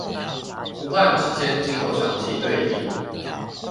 胡漢之間經過長期對立